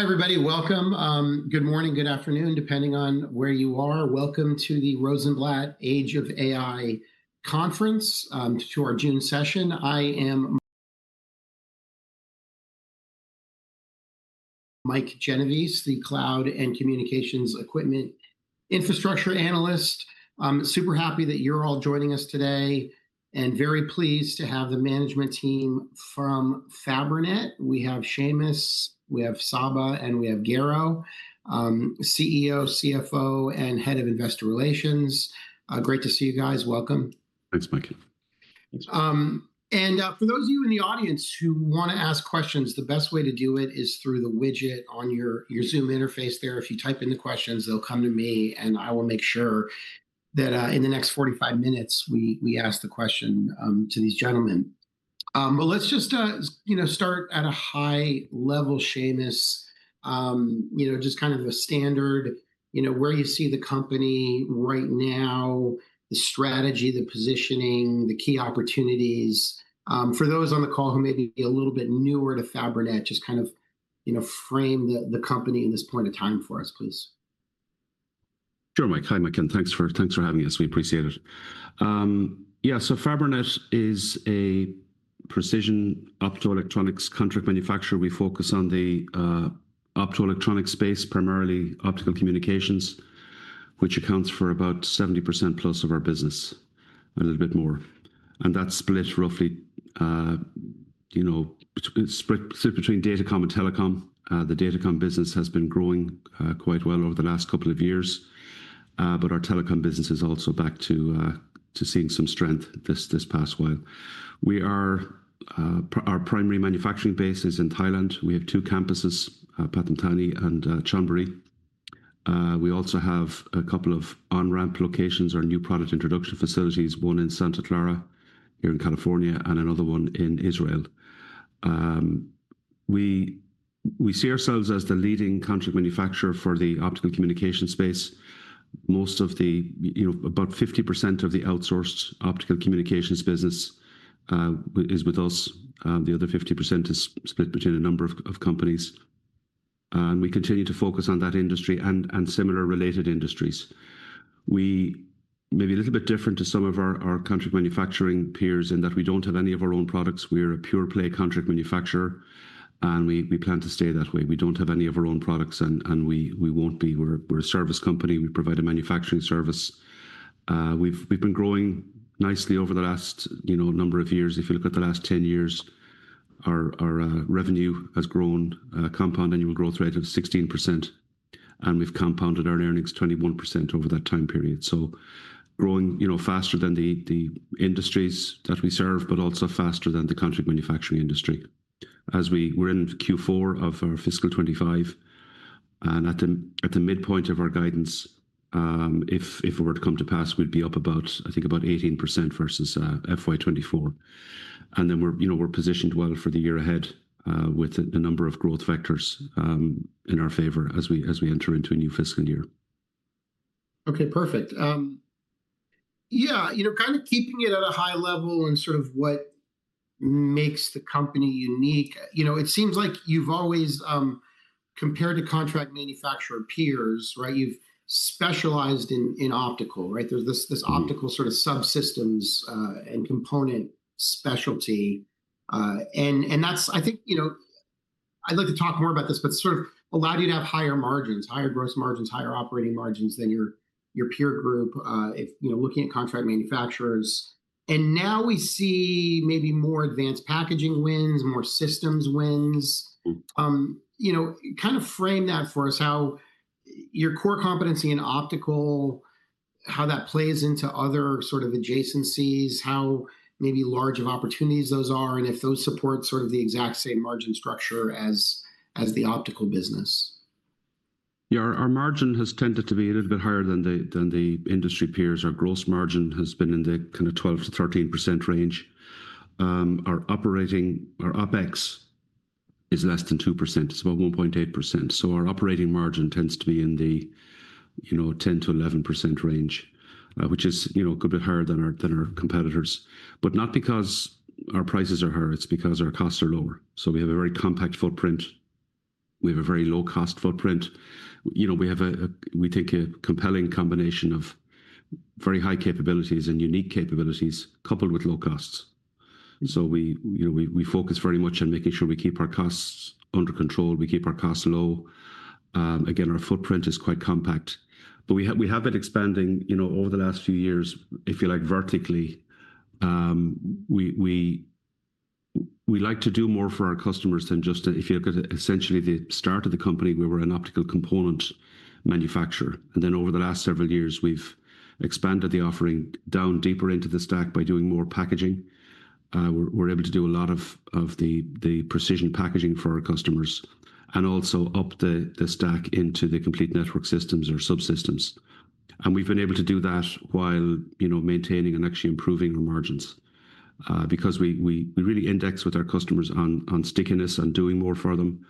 Hi, everybody. Welcome. Good morning, good afternoon, depending on where you are. Welcome to the Rosenblatt Age of AI conference, to our June session. I am Mike Genovese, the Cloud and Communications Equipment Infrastructure Analyst. Super happy that you're all joining us today, and very pleased to have the management team from Fabrinet. We have Seamus, we have Csaba, and we have Garo, CEO, CFO, and Head of Investor Relations. Great to see you guys. Welcome. Thanks, Mike. For those of you in the audience who want to ask questions, the best way to do it is through the widget on your Zoom interface there. If you type in the questions, they'll come to me, and I will make sure that in the next 45 minutes, we ask the question to these gentlemen. Let's just start at a high level, Seamus, just kind of the standard, where you see the company right now, the strategy, the positioning, the key opportunities. For those on the call who may be a little bit newer to Fabrinet, just kind of frame the company at this point in time for us, please. Sure, Mike. Hi, Mike. And thanks for having us. We appreciate it. Yeah, so Fabrinet is a precision optoelectronics contract manufacturer. We focus on the optoelectronics space, primarily optical communications, which accounts for about +70% of our business, a little bit more. That is split roughly between data com and telecom. The data com business has been growing quite well over the last couple of years, but our telecom business is also back to seeing some strength this past while. Our primary manufacturing base is in Thailand. We have two campuses, Pathum Thani and Chonburi. We also have a couple of on-ramp locations, our new product introduction facilities, one in Santa Clara here in California and another one in Israel. We see ourselves as the leading contract manufacturer for the optical communications space. About 50% of the outsourced optical communications business is with us. The other 50% is split between a number of companies. We continue to focus on that industry and similar related industries. We may be a little bit different to some of our contract manufacturing peers in that we do not have any of our own products. We are a pure-play contract manufacturer, and we plan to stay that way. We do not have any of our own products, and we will not be. We are a service company. We provide a manufacturing service. We have been growing nicely over the last number of years. If you look at the last 10 years, our revenue has grown, compound annual growth rate of 16%, and we have compounded our earnings 21% over that time period. Growing faster than the industries that we serve, but also faster than the contract manufacturing industry. We're in Q4 of our fiscal 2025, and at the midpoint of our guidance, if it were to come to pass, we'd be up about, I think, about 18% versus FY2024. And then we're positioned well for the year ahead with a number of growth factors in our favor as we enter into a new fiscal year. Okay, perfect. Yeah, kind of keeping it at a high level and sort of what makes the company unique, it seems like you've always, compared to contract manufacturer peers, right? You've specialized in optical, right? There's this optical sort of subsystems and component specialty. And that's, I think, I'd like to talk more about this, but sort of allowed you to have higher margins, higher gross margins, higher operating margins than your peer group looking at contract manufacturers. Now we see maybe more advanced packaging wins, more systems wins. Kind of frame that for us, how your core competency in optical, how that plays into other sort of adjacencies, how maybe large of opportunities those are, and if those support sort of the exact same margin structure as the optical business. Yeah, our margin has tended to be a little bit higher than the industry peers. Our gross margin has been in the kind of 12-13% range. Our operating, our OpEx is less than 2%. It's about 1.8%. Our operating margin tends to be in the 10-11% range, which is a bit higher than our competitors. Not because our prices are higher, it's because our costs are lower. We have a very compact footprint. We have a very low-cost footprint. We take a compelling combination of very high capabilities and unique capabilities coupled with low costs. We focus very much on making sure we keep our costs under control. We keep our costs low. Again, our footprint is quite compact. We have been expanding over the last few years, if you like, vertically. We like to do more for our customers than just, if you look at essentially the start of the company, we were an optical component manufacturer. Over the last several years, we've expanded the offering down deeper into the stack by doing more packaging. We're able to do a lot of the precision packaging for our customers and also up the stack into the complete network systems or subsystems. We've been able to do that while maintaining and actually improving our margins because we really index with our customers on stickiness and doing more for them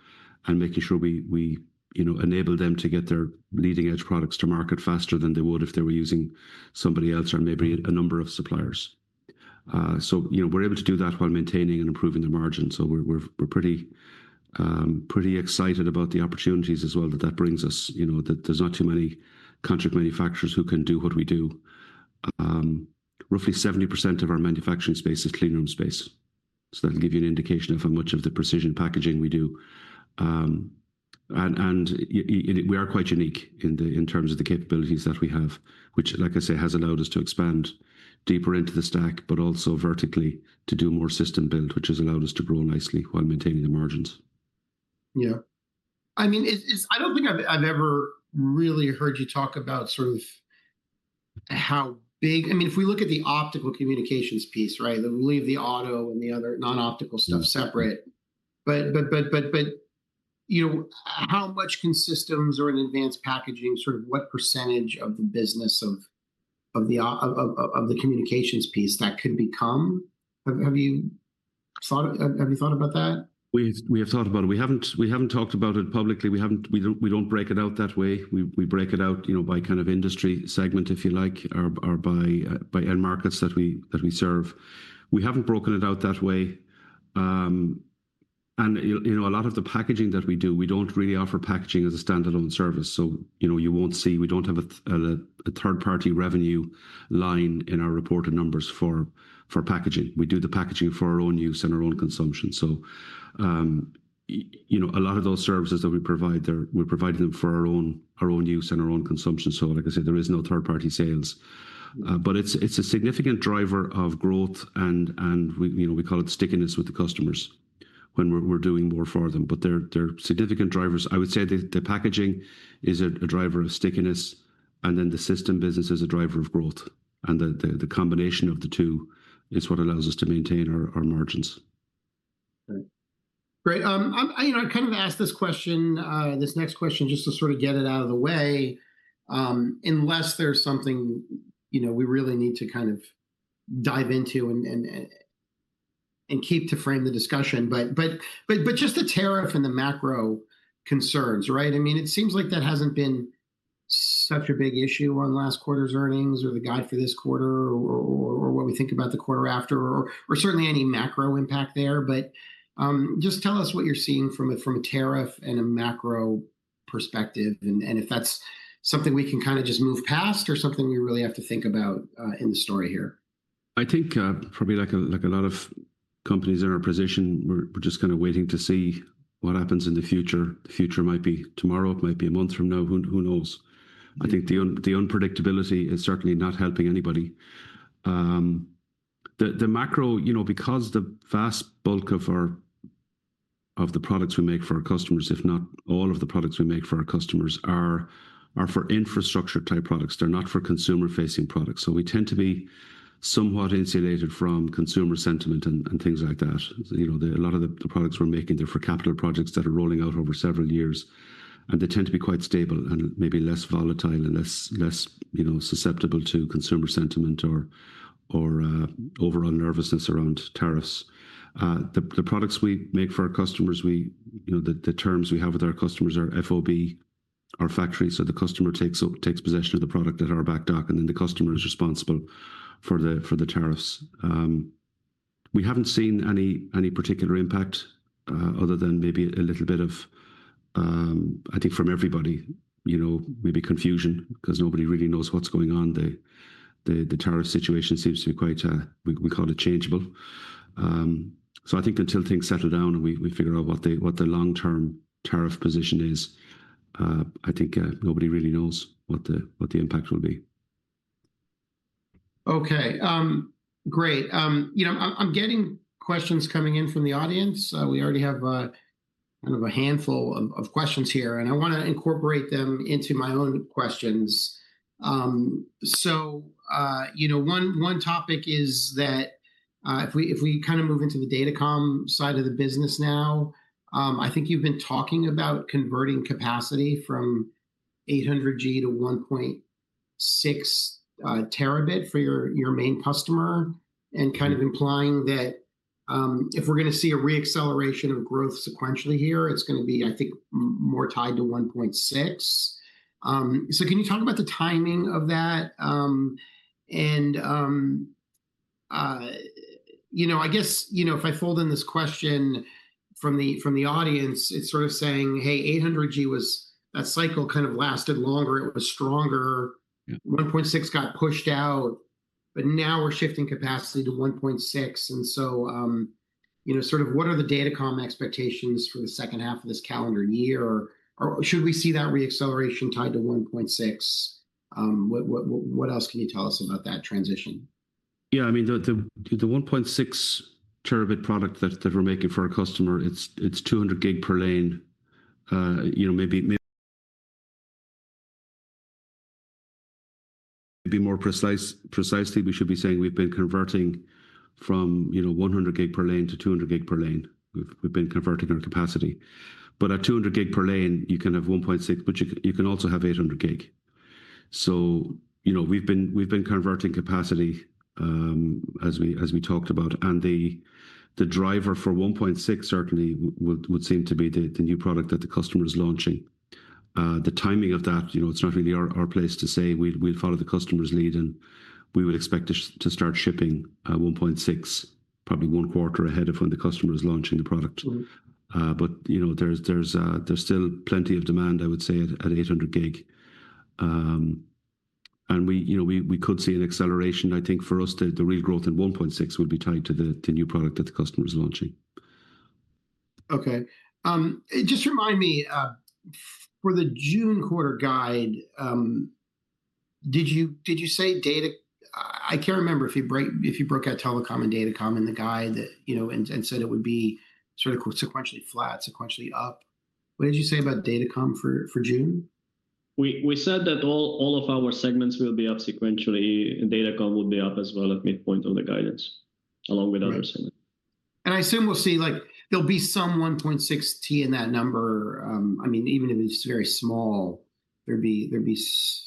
and making sure we enable them to get their leading-edge products to market faster than they would if they were using somebody else or maybe a number of suppliers. We're able to do that while maintaining and improving the margin. We're pretty excited about the opportunities as well that that brings us, that there's not too many contract manufacturers who can do what we do. Roughly 70% of our manufacturing space is clean room space. That'll give you an indication of how much of the precision packaging we do. We are quite unique in terms of the capabilities that we have, which, like I say, has allowed us to expand deeper into the stack, but also vertically to do more system build, which has allowed us to grow nicely while maintaining the margins. Yeah. I mean, I don't think I've ever really heard you talk about sort of how big, I mean, if we look at the optical communications piece, right, then we'll leave the auto and the other non-optical stuff separate. How much can systems or an advanced packaging, sort of what percentage of the business of the communications piece that could become? Have you thought about that? We have thought about it. We haven't talked about it publicly. We don't break it out that way. We break it out by kind of industry segment, if you like, or by end markets that we serve. We haven't broken it out that way. A lot of the packaging that we do, we don't really offer packaging as a standalone service. You won't see, we don't have a third-party revenue line in our reported numbers for packaging. We do the packaging for our own use and our own consumption. A lot of those services that we provide, we're providing them for our own use and our own consumption. Like I said, there is no third-party sales. It is a significant driver of growth, and we call it stickiness with the customers when we're doing more for them. They are significant drivers. I would say the packaging is a driver of stickiness, and then the system business is a driver of growth. The combination of the two is what allows us to maintain our margins. Great. I kind of asked this question, this next question, just to sort of get it out of the way, unless there's something we really need to kind of dive into and keep to frame the discussion. Just the tariff and the macro concerns, right? I mean, it seems like that hasn't been such a big issue on last quarter's earnings or the guide for this quarter or what we think about the quarter after, or certainly any macro impact there. Just tell us what you're seeing from a tariff and a macro perspective, and if that's something we can kind of just move past or something we really have to think about in the story here. I think probably like a lot of companies in our position, we're just kind of waiting to see what happens in the future. The future might be tomorrow. It might be a month from now. Who knows? I think the unpredictability is certainly not helping anybody. The macro, because the vast bulk of the products we make for our customers, if not all of the products we make for our customers, are for infrastructure-type products. They're not for consumer-facing products. We tend to be somewhat insulated from consumer sentiment and things like that. A lot of the products we're making, they're for capital projects that are rolling out over several years, and they tend to be quite stable and maybe less volatile and less susceptible to consumer sentiment or overall nervousness around tariffs. The products we make for our customers, the terms we have with our customers are FOB, our factory. The customer takes possession of the product at our back dock, and then the customer is responsible for the tariffs. We have not seen any particular impact other than maybe a little bit of, I think, from everybody, maybe confusion because nobody really knows what is going on. The tariff situation seems to be quite, we call it, changeable. I think until things settle down and we figure out what the long-term tariff position is, I think nobody really knows what the impact will be. Okay. Great. I'm getting questions coming in from the audience. We already have kind of a handful of questions here, and I want to incorporate them into my own questions. One topic is that if we kind of move into the data com side of the business now, I think you've been talking about converting capacity from 800GG to 1.6T for your main customer and kind of implying that if we're going to see a re-acceleration of growth sequentially here, it's going to be, I think, more tied to 1.6T. Can you talk about the timing of that? I guess if I fold in this question from the audience, it's sort of saying, "Hey, 800GG was that cycle kind of lasted longer. It was stronger. 1.6T got pushed out, but now we're shifting capacity to 1.6T. What are the data com expectations for the second half of this calendar year? Should we see that re-acceleration tied to 1.6T? What else can you tell us about that transition? Yeah, I mean, the 1.6T product that we're making for our customer, it's 200 per lane. Maybe more precisely, we should be saying we've been converting from 100 per lane to 200 per lane. We've been converting our capacity. At 200 per lane, you can have 1.6T, but you can also have 800G. We've been converting capacity as we talked about. The driver for 1.6T certainly would seem to be the new product that the customer is launching. The timing of that, it's not really our place to say. We'll follow the customer's lead, and we would expect to start shipping 1.6T probably one quarter ahead of when the customer is launching the product. There's still plenty of demand, I would say, at 800G. We could see an acceleration. I think for us, the real growth in 1.6T would be tied to the new product that the customer is launching. Okay. Just remind me, for the June quarter guide, did you say data? I can't remember if you broke out telecom and data com in the guide and said it would be sort of sequentially flat, sequentially up. What did you say about data com for June? We said that all of our segments will be up sequentially. Data com will be up as well at midpoint of the guidance along with other segments. I assume we'll see there'll be some 1.6T in that number. I mean, even if it's very small, there'd be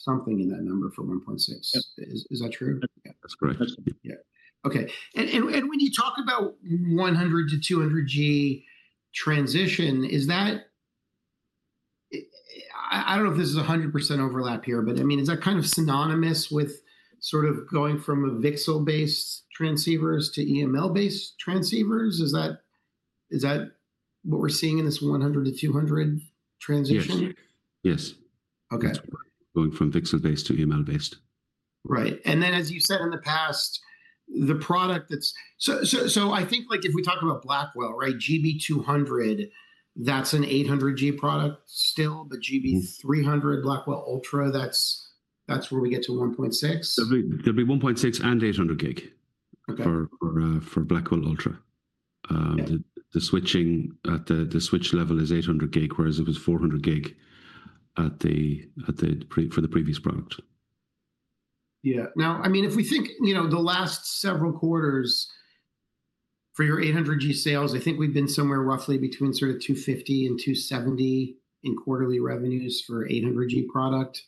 something in that number for 1.6T. Is that true? Yeah, that's correct. Yeah. Okay. And when you talk about 100 to 200 transition, is that—I do not know if this is 100% overlap here, but I mean, is that kind of synonymous with sort of going from a VCSEL-based transceivers to EML-based transceivers? Is that what we are seeing in this 100 to 200 transition? Yes. Yes. Okay. Going from VCSEL-based to EML-based. Right. And then, as you said in the past, the product that's—so I think if we talk about Blackwell, right, 200, that's an 800GG product still, but 300 Blackwell Ultra, that's where we get to 1.6T? There'll be 1.6T and 800G for Blackwell Ultra. The switch level is 800G, whereas it was 400G for the previous product. Yeah. Now, I mean, if we think the last several quarters for your 800GG sales, I think we've been somewhere roughly between sort of $250 million and $270 million in quarterly revenues for 800GG product.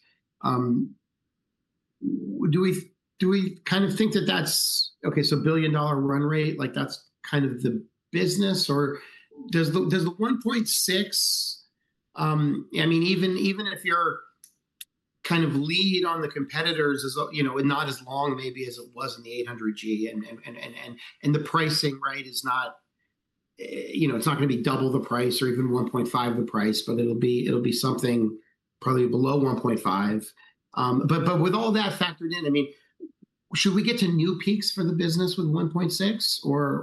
Do we kind of think that that's—okay, so billion-dollar run rate, that's kind of the business? Or does the 1.6T, I mean, even if you're kind of lead on the competitors, not as long maybe as it was in the 800GG, and the pricing, right, is not—it's not going to be double the price or even 1.5 the price, but it'll be something probably below 1.5. But with all that factored in, I mean, should we get to new peaks for the business with 1.6T, or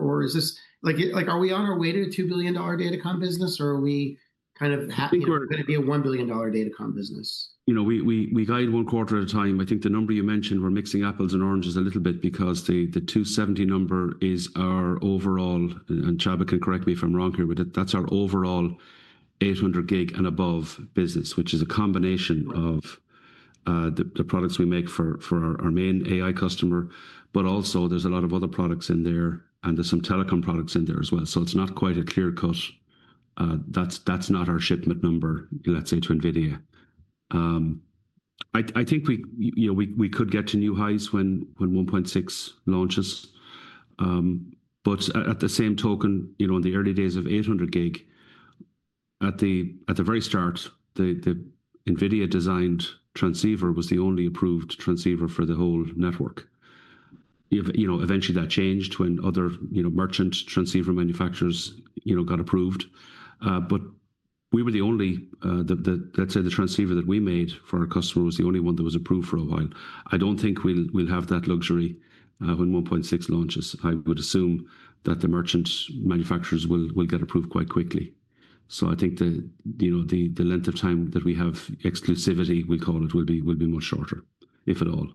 are we on our way to a $2 billion data com business, or are we kind of going to be a $1 billion data com business? We guide one quarter at a time. I think the number you mentioned, we're mixing apples and oranges a little bit because the 270 number is our overall—and Csaba can correct me if I'm wrong here, but that's our overall 800G and above business, which is a combination of the products we make for our main AI customer. But also, there's a lot of other products in there, and there's some telecom products in there as well. So it's not quite a clear-cut. That's not our shipment number, let's say, to NVIDIA. I think we could get to new highs when 1.6T launches. But at the same token, in the early days of 800G, at the very start, the NVIDIA-designed transceiver was the only approved transceiver for the whole network. Eventually, that changed when other merchant transceiver manufacturers got approved. We were the only—let's say the transceiver that we made for our customer was the only one that was approved for a while. I don't think we'll have that luxury when 1.6T launches. I would assume that the merchant manufacturers will get approved quite quickly. I think the length of time that we have exclusivity, we call it, will be much shorter, if at all.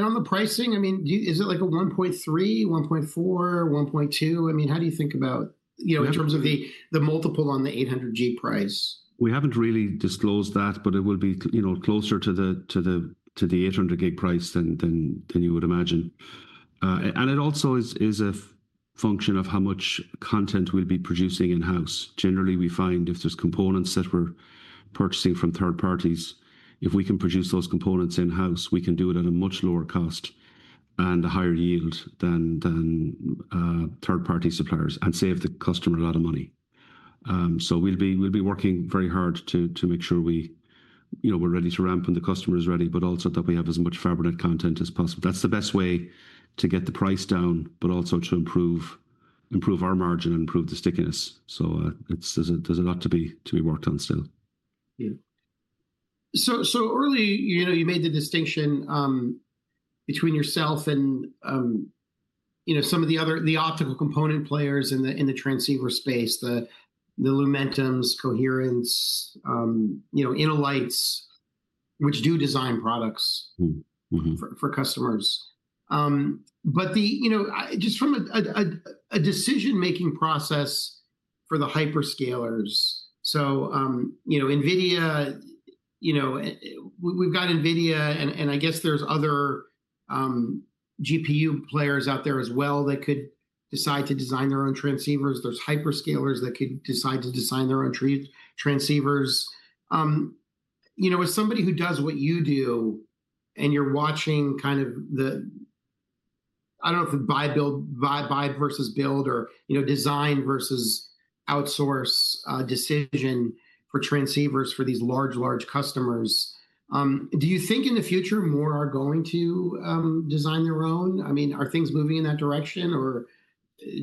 On the pricing, I mean, is it like a 1.3, 1.4, 1.2? I mean, how do you think about in terms of the multiple on the 800GG price? We haven't really disclosed that, but it will be closer to the 800G price than you would imagine. It also is a function of how much content we'll be producing in-house. Generally, we find if there are components that we're purchasing from third parties, if we can produce those components in-house, we can do it at a much lower cost and a higher yield than third-party suppliers and save the customer a lot of money. We will be working very hard to make sure we're ready to ramp when the customer is ready, but also that we have as much fabric content as possible. That's the best way to get the price down, but also to improve our margin and improve the stickiness. There is a lot to be worked on still. Yeah. Early, you made the distinction between yourself and some of the optical component players in the transceiver space, the Lumentums, Coherent, Innolights, which do design products for customers. Just from a decision-making process for the hyperscalers—so NVIDIA, we've got NVIDIA, and I guess there are other GPU players out there as well that could decide to design their own transceivers. There are hyperscalers that could decide to design their own transceivers. As somebody who does what you do and you're watching kind of the—I do not know if it's buy versus build or design versus outsource decision for transceivers for these large, large customers. Do you think in the future more are going to design their own? I mean, are things moving in that direction, or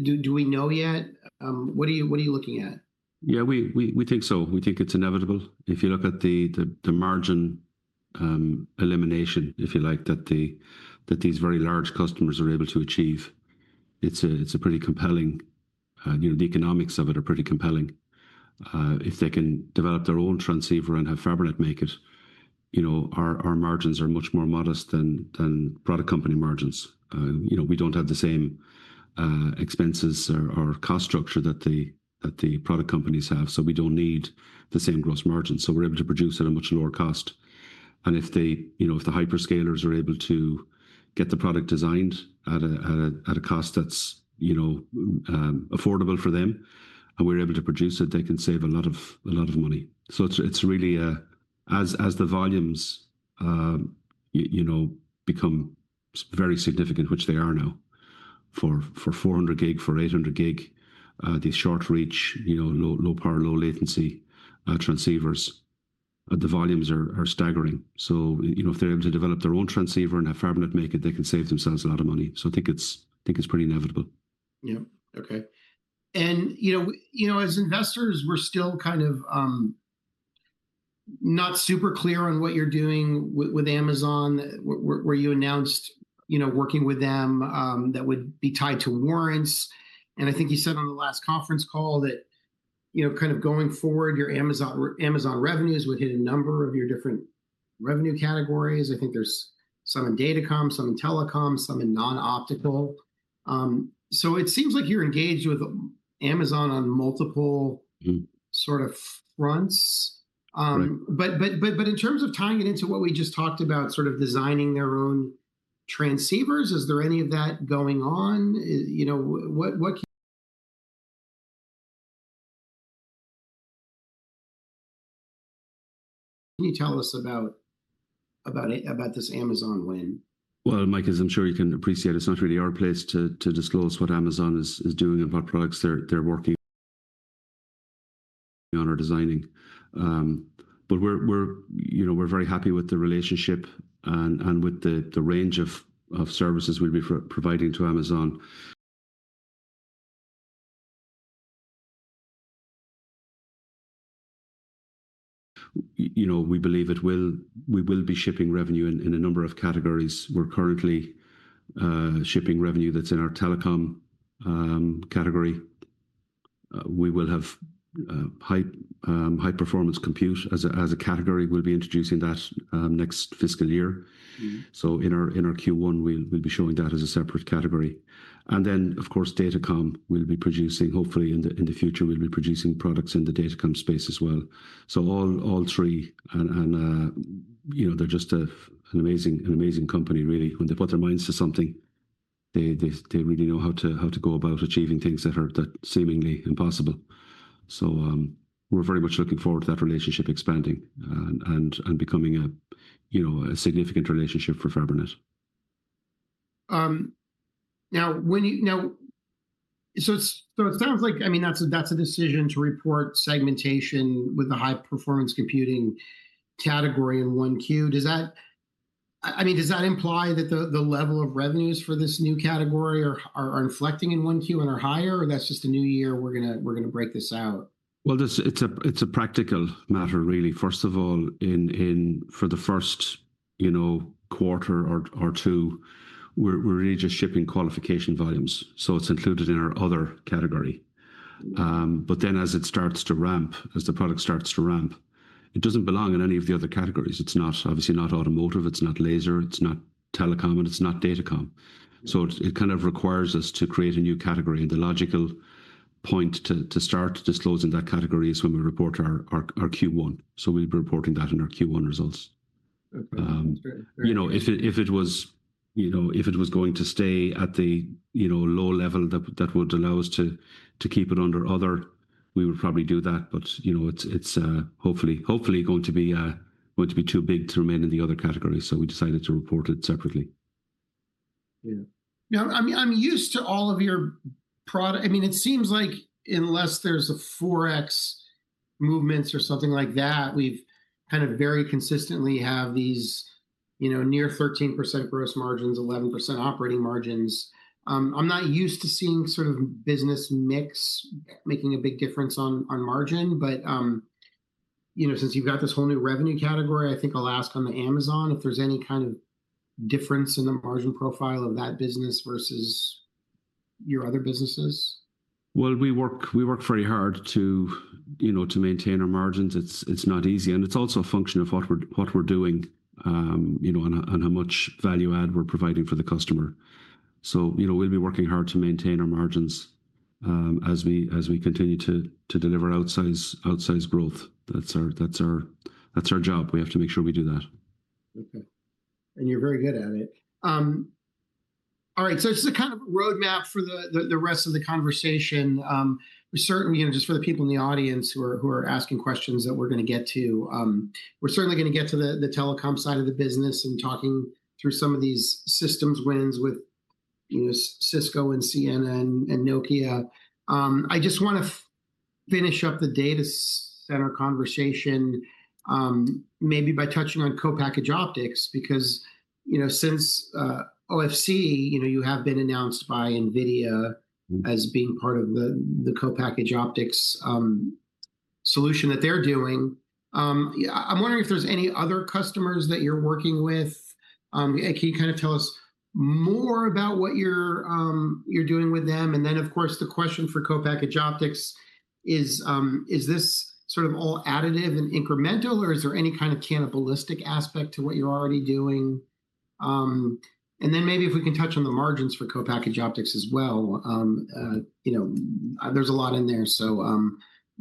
do we know yet? What are you looking at? Yeah, we think so. We think it's inevitable. If you look at the margin elimination, if you like, that these very large customers are able to achieve, it's a pretty compelling—the economics of it are pretty compelling. If they can develop their own transceiver and have Fabrinet make it, our margins are much more modest than product company margins. We don't have the same expenses or cost structure that the product companies have, so we don't need the same gross margins. We are able to produce at a much lower cost. If the hyperscalers are able to get the product designed at a cost that's affordable for them, and we are able to produce it, they can save a lot of money. It is really as the volumes become very significant, which they are now for 400G, for 800G, these short-reach, low-power, low-latency transceivers, the volumes are staggering. If they're able to develop their own transceiver and have Fabrinet make it, they can save themselves a lot of money. I think it's pretty inevitable. Yeah. Okay. As investors, we're still kind of not super clear on what you're doing with Amazon where you announced working with them that would be tied to warrants. I think you said on the last conference call that kind of going forward, your Amazon revenues would hit a number of your different revenue categories. I think there's some in data com, some in telecom, some in non-optical. It seems like you're engaged with Amazon on multiple sort of fronts. In terms of tying it into what we just talked about, sort of designing their own transceivers, is there any of that going on? What can you tell us about this Amazon win? Mike, as I'm sure you can appreciate, it's not really our place to disclose what Amazon is doing and what products they're working on or designing. We're very happy with the relationship and with the range of services we'll be providing to Amazon. We believe we will be shipping revenue in a number of categories. We're currently shipping revenue that's in our telecom category. We will have high-performance compute as a category. We'll be introducing that next fiscal year. In our Q1, we'll be showing that as a separate category. Of course, data com, we'll be producing hopefully in the future, we'll be producing products in the data com space as well. All three, and they're just an amazing company, really. When they put their minds to something, they really know how to go about achieving things that are seemingly impossible. We're very much looking forward to that relationship expanding and becoming a significant relationship for Fabrinet. Now, so it sounds like, I mean, that's a decision to report segmentation with the high-performance computing category in Q1. I mean, does that imply that the level of revenues for this new category are inflecting in Q1 and are higher, or that's just a new year? We're going to break this out. It's a practical matter, really. First of all, for the first quarter or two, we're really just shipping qualification volumes. So it's included in our other category. As it starts to ramp, as the product starts to ramp, it doesn't belong in any of the other categories. It's obviously not automotive. It's not laser. It's not telecom, and it's not data com. It kind of requires us to create a new category. The logical point to start disclosing that category is when we report our Q1. We'll be reporting that in our Q1 results. If it was going to stay at the low level that would allow us to keep it under other, we would probably do that. It's hopefully going to be too big to remain in the other category. We decided to report it separately. Yeah. I mean, I'm used to all of your product. I mean, it seems like unless there's a 4x movements or something like that, we've kind of very consistently have these near 13% gross margins, 11% operating margins. I'm not used to seeing sort of business mix making a big difference on margin. Since you've got this whole new revenue category, I think I'll ask on the Amazon if there's any kind of difference in the margin profile of that business versus your other businesses. We work very hard to maintain our margins. It's not easy. It's also a function of what we're doing and how much value add we're providing for the customer. We'll be working hard to maintain our margins as we continue to deliver outsized growth. That's our job. We have to make sure we do that. Okay. And you're very good at it. All right. It is a kind of roadmap for the rest of the conversation. Certainly, just for the people in the audience who are asking questions that we are going to get to, we are certainly going to get to the telecom side of the business and talking through some of these systems wins with Cisco and Ciena and Nokia. I just want to finish up the data center conversation maybe by touching on Co-packaged Optics because since OFC, you have been announced by NVIDIA as being part of the Co-packaged Optics solution that they are doing. I am wondering if there are any other customers that you are working with. Can you kind of tell us more about what you are doing with them and of course, the question for Co-packaged Optics, is this sort of all additive and incremental, or is there any kind of cannibalistic aspect to what you're already doing? Maybe if we can touch on the margins for Co-packaged Optics as well. There's a lot in there.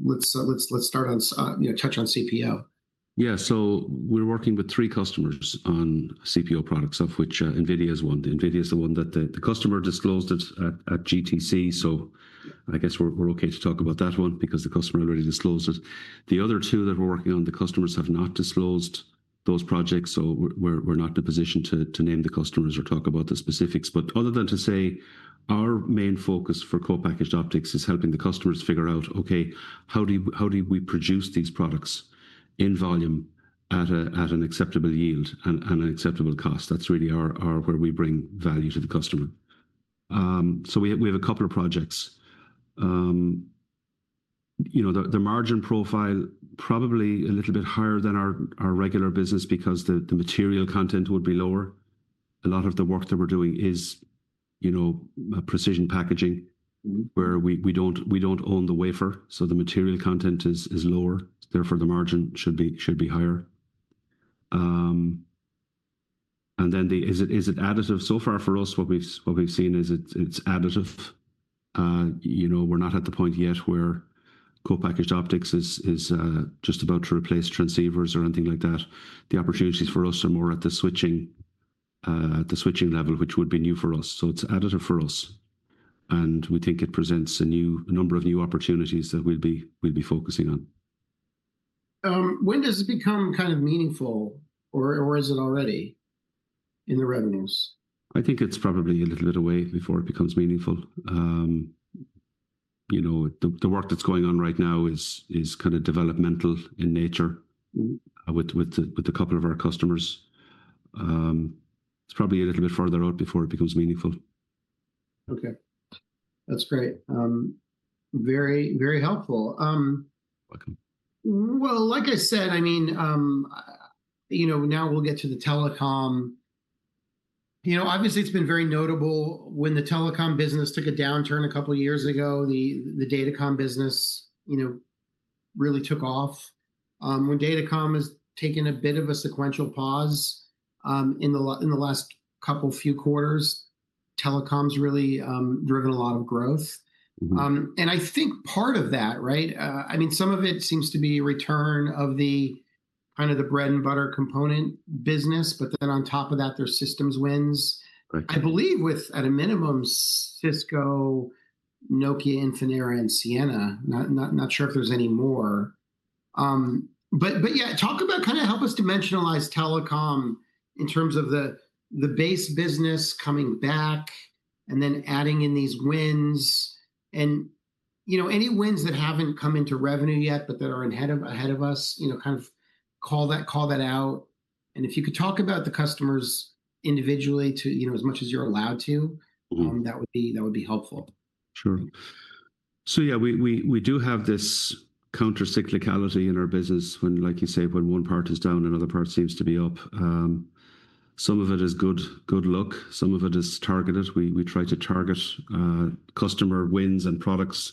Let's start on touch on CPO. Yeah. So we're working with three customers on CPO products, of which NVIDIA is one. NVIDIA is the one that the customer disclosed at GTC. I guess we're okay to talk about that one because the customer already disclosed it. The other two that we're working on, the customers have not disclosed those projects. We're not in a position to name the customers or talk about the specifics. Other than to say, our main focus for Co-packaged Optics is helping the customers figure out, okay, how do we produce these products in volume at an acceptable yield and an acceptable cost? That's really where we bring value to the customer. We have a couple of projects. The margin profile, probably a little bit higher than our regular business because the material content would be lower. A lot of the work that we're doing is precision packaging where we don't own the wafer. So the material content is lower. Therefore, the margin should be higher. Is it additive? So far for us, what we've seen is it's additive. We're not at the point yet where Co-packaged Optics is just about to replace transceivers or anything like that. The opportunities for us are more at the switching level, which would be new for us. It is additive for us. We think it presents a number of new opportunities that we'll be focusing on. When does it become kind of meaningful, or is it already in the revenues? I think it's probably a little bit away before it becomes meaningful. The work that's going on right now is kind of developmental in nature with a couple of our customers. It's probably a little bit further out before it becomes meaningful. Okay. That's great. Very helpful. Like I said, I mean, now we'll get to the telecom. Obviously, it's been very notable when the telecom business took a downturn a couple of years ago. The data com business really took off. When data com has taken a bit of a sequential pause in the last couple of few quarters, telecom's really driven a lot of growth. I think part of that, right? I mean, some of it seems to be a return of kind of the bread-and-butter component business, but then on top of that, there's systems wins. I believe with, at a minimum, Cisco, Nokia, Infinera, and Ciena. Not sure if there's any more. Yeah, talk about kind of help us dimensionalize telecom in terms of the base business coming back and then adding in these wins. Any wins that have not come into revenue yet, but that are ahead of us, kind of call that out. If you could talk about the customers individually as much as you are allowed to, that would be helpful. Sure. So yeah, we do have this countercyclicality in our business when, like you say, when one part is down, another part seems to be up. Some of it is good luck. Some of it is targeted. We try to target customer wins and products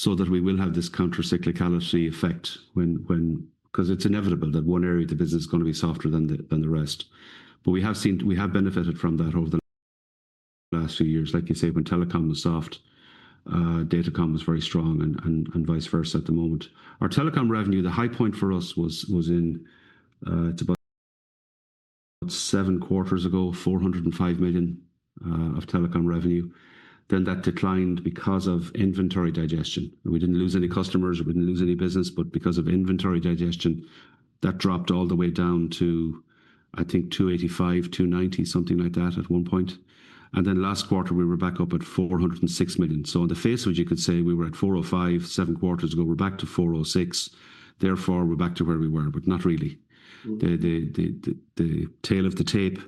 so that we will have this countercyclicality effect because it is inevitable that one area of the business is going to be softer than the rest. We have benefited from that over the last few years. Like you say, when telecom was soft, data com was very strong and vice versa at the moment. Our telecom revenue, the high point for us was in about seven Quarters ago, $405 million of telecom revenue. That declined because of inventory digestion. We did not lose any customers. We did not lose any business, but because of inventory digestion, that dropped all the way down to, I think, 285- 290, something like that at one point. Last quarter, we were back up at $406 million. On the face, you could say we were at $405 million seven Quarters ago. We are back to $406 million. Therefore, we are back to where we were, but not really. The tail of the tape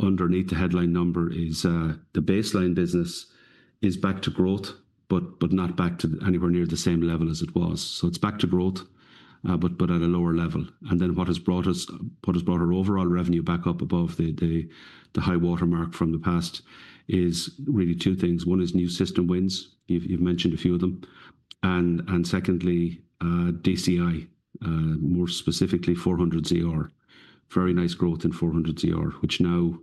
underneath the headline number is the baseline business is back to growth, but not back to anywhere near the same level as it was. It is back to growth, but at a lower level. What has brought us, what has brought our overall revenue back up above the high watermark from the past is really two things. One is new system wins. You have mentioned a few of them. Secondly, DCI, more specifically, 400ZR. Very nice growth in 400ZR, which now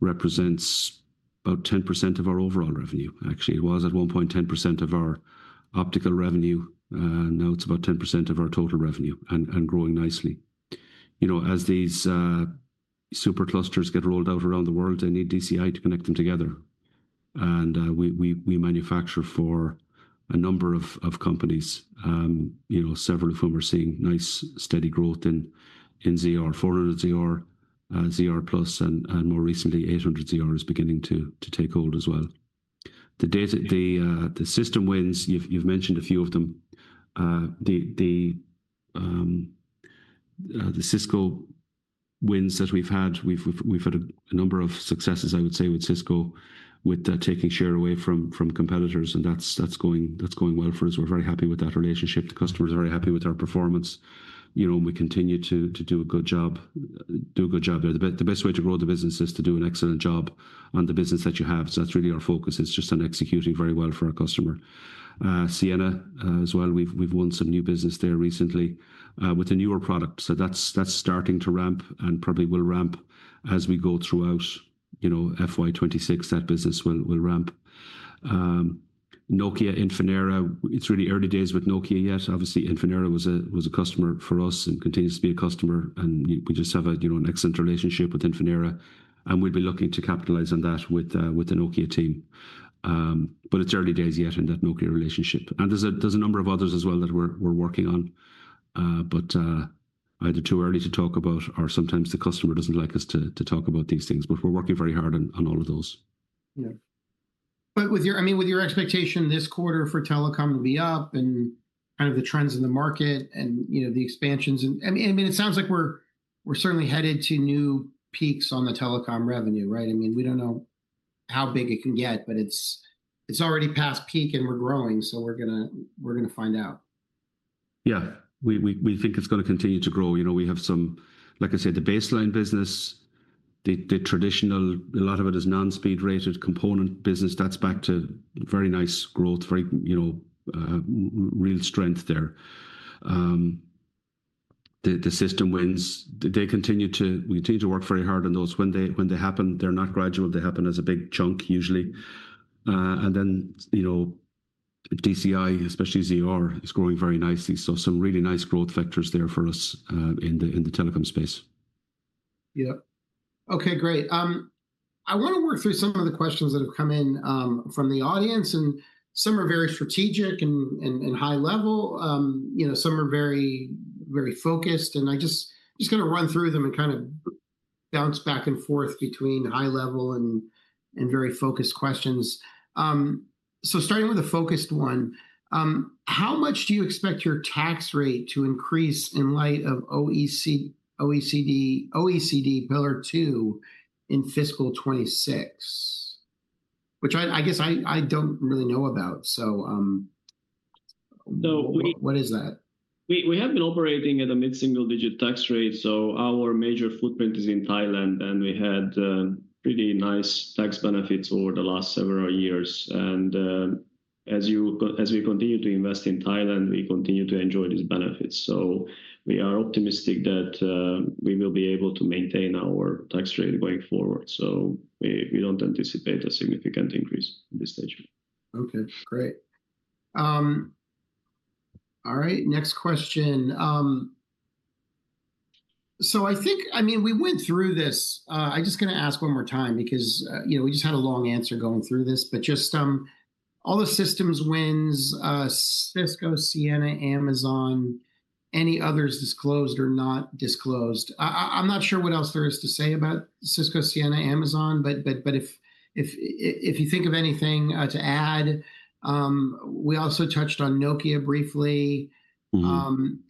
represents about 10% of our overall revenue. Actually, it was at one point 10% of our optical revenue. Now it is about 10% of our total revenue and growing nicely. As these super clusters get rolled out around the world, they need DCI to connect them together. We manufacture for a number of companies, several of whom are seeing nice steady growth in ZR, 400ZR, ZR Plus, and more recently, 800ZR is beginning to take hold as well. The system wins, you have mentioned a few of them. The Cisco wins that we have had, we have had a number of successes, I would say, with Cisco with taking share away from competitors. That is going well for us. We are very happy with that relationship. The customers are very happy with our performance. We continue to do a good job. The best way to grow the business is to do an excellent job on the business that you have. That is really our focus. It is just on executing very well for our customer. Ciena as well. We have won some new business there recently with a newer product. That is starting to ramp and probably will ramp as we go throughout FY2026. That business will ramp. Nokia, Infinera, it is really early days with Nokia yet. Obviously, Infinera was a customer for us and continues to be a customer. We just have an excellent relationship with Infinera. We will be looking to capitalize on that with the Nokia team. It is early days yet in that Nokia relationship. There are a number of others as well that we are working on. Either too early to talk about or sometimes the customer does not like us to talk about these things. We are working very hard on all of those. Yeah. I mean, with your expectation, this quarter for telecom will be up and kind of the trends in the market and the expansions. I mean, it sounds like we're certainly headed to new peaks on the telecom revenue, right? I mean, we don't know how big it can get, but it's already past peak and we're growing. So we're going to find out. Yeah. We think it's going to continue to grow. We have some, like I said, the baseline business, the traditional, a lot of it is non-speed rated component business. That's back to very nice growth, very real strength there. The system wins. We continue to work very hard on those. When they happen, they're not gradual. They happen as a big chunk usually. DCI, especially ZR, is growing very nicely. Some really nice growth factors there for us in the telecom space. Yeah. Okay. Great. I want to work through some of the questions that have come in from the audience. Some are very strategic and high level. Some are very focused. I'm just going to run through them and kind of bounce back and forth between high level and very focused questions. Starting with a focused one, how much do you expect your tax rate to increase in light of OECD pillar two in fiscal 2026, which I guess I do not really know about? What is that? We have been operating at a mid-single digit tax rate. Our major footprint is in Thailand. We had pretty nice tax benefits over the last several years. As we continue to invest in Thailand, we continue to enjoy these benefits. We are optimistic that we will be able to maintain our tax rate going forward. We do not anticipate a significant increase at this stage. Okay. Great. All right. Next question. I think, I mean, we went through this. I'm just going to ask one more time because we just had a long answer going through this. Just all the systems wins, Cisco, Ciena, Amazon, any others disclosed or not disclosed? I'm not sure what else there is to say about Cisco, Ciena, Amazon, but if you think of anything to add, we also touched on Nokia briefly.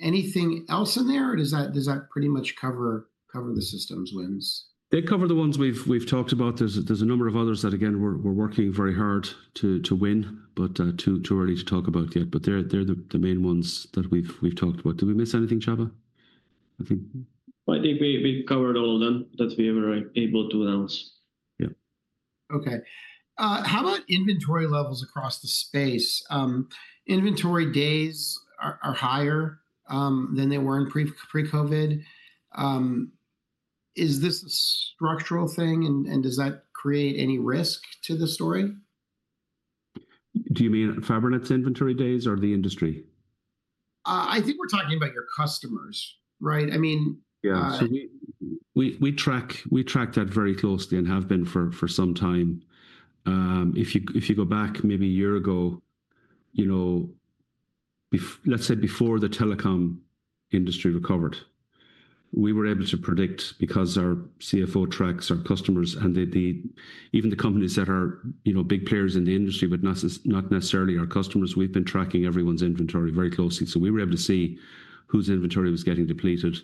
Anything else in there? Or does that pretty much cover the systems wins? They cover the ones we've talked about. There's a number of others that, again, we're working very hard to win, but too early to talk about yet. They're the main ones that we've talked about. Did we miss anything, Csaba? I think. We covered all of them. That's what we were able to announce. Yeah. Okay. How about inventory levels across the space? Inventory days are higher than they were in pre-COVID. Is this a structural thing? Does that create any risk to the story? Do you mean Fabrinet's inventory days or the industry? I think we're talking about your customers, right? I mean. Yeah. So we track that very closely and have been for some time. If you go back maybe a year ago, let's say before the telecom industry recovered, we were able to predict because our CFO tracks our customers and even the companies that are big players in the industry, but not necessarily our customers, we've been tracking everyone's inventory very closely. We were able to see whose inventory was getting depleted.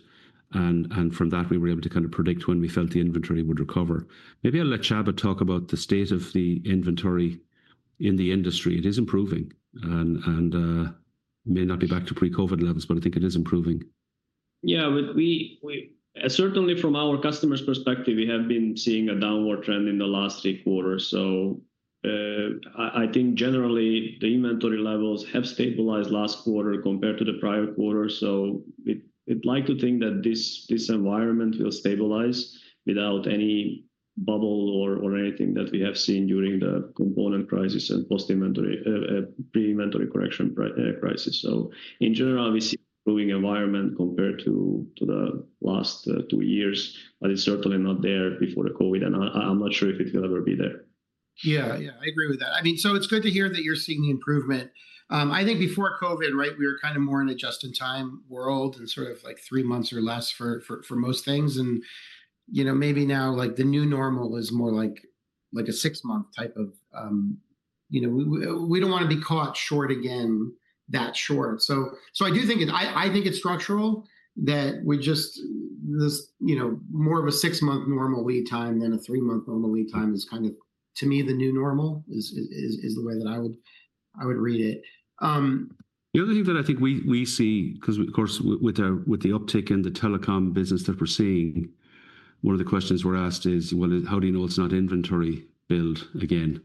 From that, we were able to kind of predict when we felt the inventory would recover. Maybe I'll let Csaba talk about the state of the inventory in the industry. It is improving. It may not be back to pre-COVID levels, but I think it is improving. Yeah. Certainly, from our customers' perspective, we have been seeing a downward trend in the last three quarters. I think generally, the inventory levels have stabilized last quarter compared to the prior quarter. We'd like to think that this environment will stabilize without any bubble or anything that we have seen during the component crisis and pre-inventory correction crisis. In general, we see an improving environment compared to the last two years, but it's certainly not there before COVID. I'm not sure if it will ever be there. Yeah. Yeah. I agree with that. I mean, it is good to hear that you are seeing the improvement. I think before COVID, right, we were kind of more in a just-in-time world and sort of like three months or less for most things. Maybe now the new normal is more like a six-month type of we do not want to be caught short again that short. I do think it is structural that we are just more of a six-month normal lead time than a three-month normal lead time is kind of, to me, the new normal is the way that I would read it. The other thing that I think we see, because of course, with the uptick in the telecom business that we're seeing, one of the questions we're asked is, how do you know it's not inventory build again?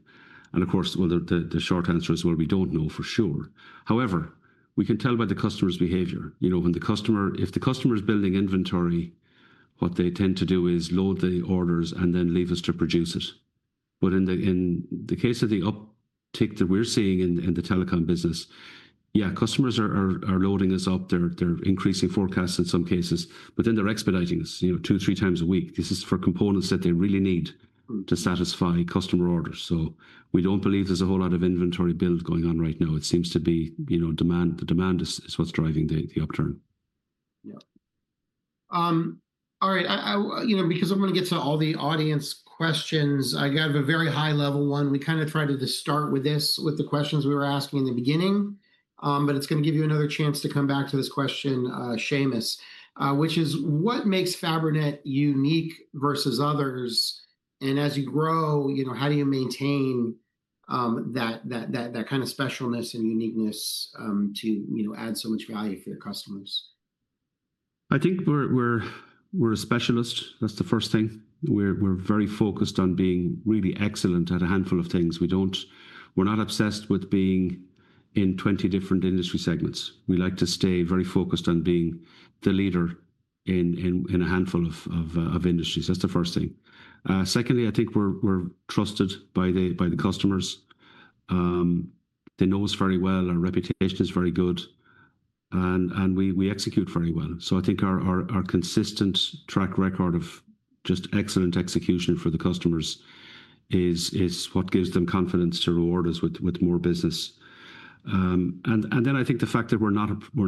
Of course, the short answer is, we don't know for sure. However, we can tell by the customer's behavior. If the customer is building inventory, what they tend to do is load the orders and then leave us to produce it. In the case of the uptick that we're seeing in the telecom business, yeah, customers are loading us up. They're increasing forecasts in some cases, but then they're expediting us two, three times a week. This is for components that they really need to satisfy customer orders. We don't believe there's a whole lot of inventory build going on right now. It seems to be the demand is what's driving the upturn. Yeah. All right. Because I'm going to get to all the audience questions, I got a very high-level one. We kind of tried to start with this with the questions we were asking in the beginning, but it's going to give you another chance to come back to this question, Seamus, which is, what makes Fabrinet unique versus others? As you grow, how do you maintain that kind of specialness and uniqueness to add so much value for your customers? I think we're a specialist. That's the first thing. We're very focused on being really excellent at a handful of things. We're not obsessed with being in 20 different industry segments. We like to stay very focused on being the leader in a handful of industries. That's the first thing. Secondly, I think we're trusted by the customers. They know us very well. Our reputation is very good. We execute very well. I think our consistent track record of just excellent execution for the customers is what gives them confidence to reward us with more business. I think the fact that we're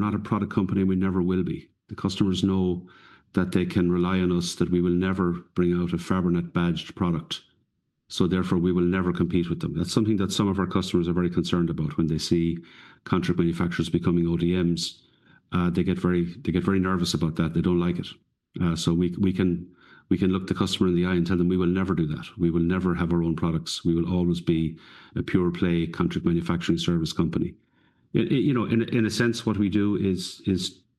not a product company and we never will be. The customers know that they can rely on us, that we will never bring out a Fabrinet-badged product. Therefore, we will never compete with them. That's something that some of our customers are very concerned about when they see contract manufacturers becoming ODMs. They get very nervous about that. They don't like it. We can look the customer in the eye and tell them, "We will never do that. We will never have our own products. We will always be a pure-play contract manufacturing service company." In a sense, what we do is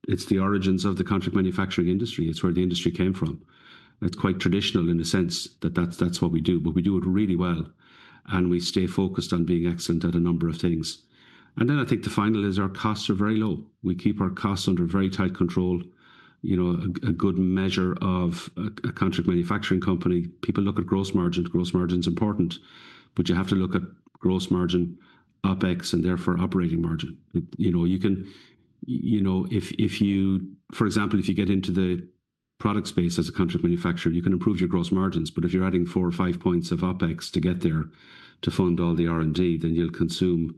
it's the origins of the contract manufacturing industry. It's where the industry came from. It's quite traditional in a sense that that's what we do. We do it really well. We stay focused on being excellent at a number of things. I think the final is our costs are very low. We keep our costs under very tight control. A good measure of a contract manufacturing company, people look at gross margin. Gross margin is important. You have to look at gross margin, OPEX, and therefore operating margin. If you, for example, if you get into the product space as a contract manufacturer, you can improve your gross margins. If you're adding four or five points of OPEX to get there to fund all the R&D, then you'll consume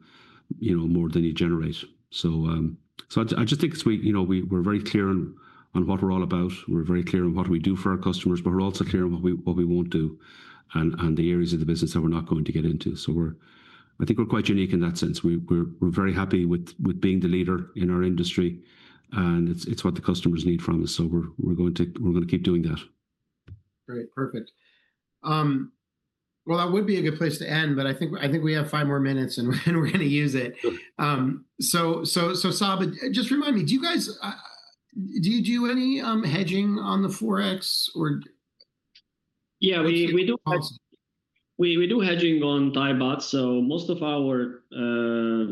more than you generate. I just think we're very clear on what we're all about. We're very clear on what we do for our customers, but we're also clear on what we won't do and the areas of the business that we're not going to get into. I think we're quite unique in that sense. We're very happy with being the leader in our industry. It's what the customers need from us. We're going to keep doing that. Great. Perfect. That would be a good place to end, but I think we have five more minutes and we're going to use it. So, Csaba, just remind me, do you guys, do you do any hedging on the Forex or? Yeah. We do hedging on Thai Baht. Most of our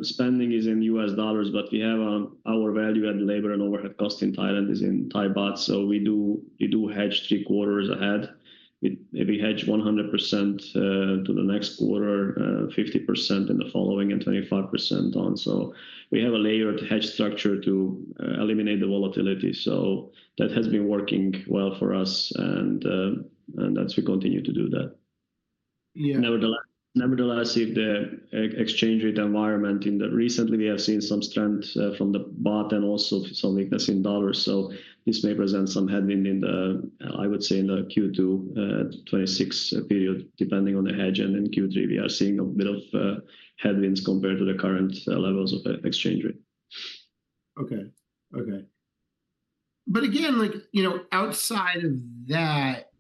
spending is in US dollars, but we have our value-added labor and overhead cost in Thailand is in Thai Baht. We do hedge three quarters ahead. We hedge 100% to the next quarter, 50% in the following, and 25% on. We have a layered hedge structure to eliminate the volatility. That has been working well for us. That's why we continue to do that. Nevertheless, if the exchange rate environment in the recently, we have seen some strength from the Baht and also some weakness in dollars. This may present some headwind in the, I would say, in the Q2 2026 period, depending on the hedge. In Q3, we are seeing a bit of headwinds compared to the current levels of exchange rate. Okay. Okay. Again, outside of that,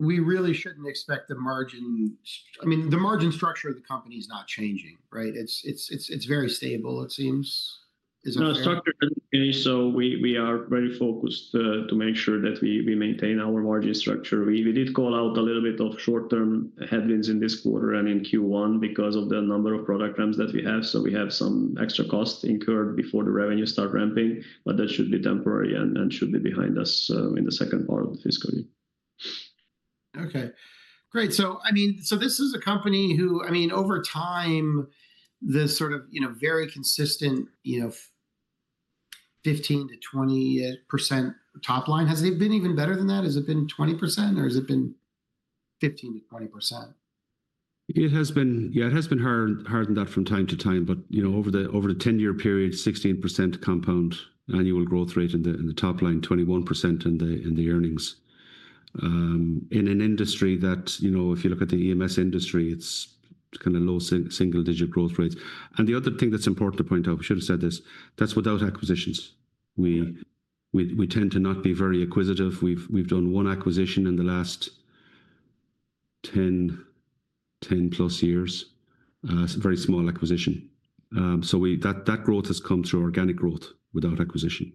we really should not expect the margin, I mean, the margin structure of the company is not changing, right? It is very stable, it seems. Is that fair? No, structure is okay. We are very focused to make sure that we maintain our margin structure. We did call out a little bit of short-term headwinds in this quarter and in Q1 because of the number of product ramps that we have. We have some extra costs incurred before the revenues start ramping. That should be temporary and should be behind us in the second part of the fiscal year. Okay. Great. So I mean, so this is a company who, I mean, over time, this sort of very consistent 15%-20% top line, has it been even better than that? Has it been 20%? Or has it been 15%-20%? It has been. Yeah, it has been hardened up from time to time. Over the 10-year period, 16% compound annual growth rate in the top line, 21% in the earnings. In an industry that, if you look at the EMS industry, it is kind of low single-digit growth rates. The other thing that is important to point out, we should have said this, that is without acquisitions. We tend to not be very acquisitive. We have done one acquisition in the last 10-plus years, a very small acquisition. That growth has come through organic growth without acquisition.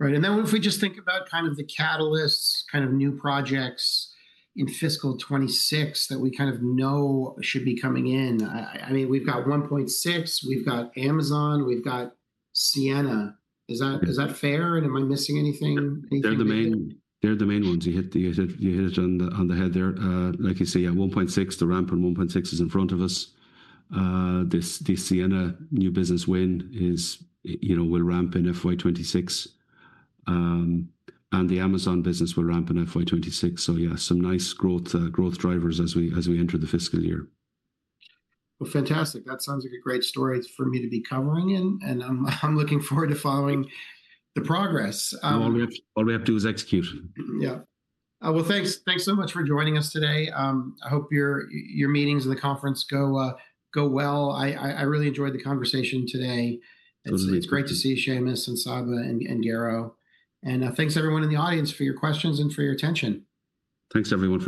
Right. If we just think about kind of the catalysts, kind of new projects in fiscal 2026 that we kind of know should be coming in, I mean, we've got 1.6T, we've got Amazon, we've got Ciena. Is that fair? Am I missing anything? They're the main ones. You hit it on the head there. Like you say, yeah, 1.6T, the ramp on 1.6T is in front of us. The Ciena new business win will ramp in fiscal year 2026. And the Amazon business will ramp in fiscal year 2026. Yeah, some nice growth drivers as we enter the fiscal year. Fantastic. That sounds like a great story for me to be covering. And I'm looking forward to following the progress. All we have to do is execute. Yeah. Thanks so much for joining us today. I hope your meetings and the conference go well. I really enjoyed the conversation today. It's great to see Seamus and Csaba and Garo. Thanks, everyone in the audience, for your questions and for your attention. Thanks, everyone.